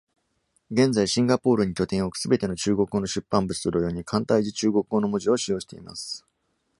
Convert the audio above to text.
現在シンガポールに拠点を置くすべての中国語の出版物と同様に、簡体字中国語の文字を使用しています。